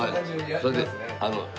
それで。